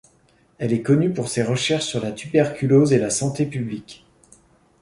Elle est connue pour ses recherches sur la tuberculose et la santé publique.